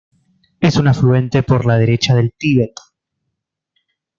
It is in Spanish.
Es un afluente por la derecha del Tíber.